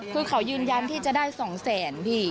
คือเขายืนยันที่จะได้๒แสนพี่